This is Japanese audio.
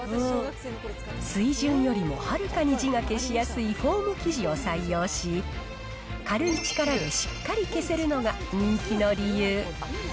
水準よりもはるかに字が消しやすいフォーム生地を採用し、軽い力でしっかり消せるのが人気の理由。